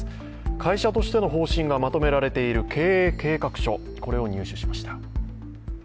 会社としての方針がまとめられている経営計画書、これを入手しました。